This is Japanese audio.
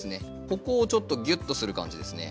ここをちょっとぎゅっとする感じですね。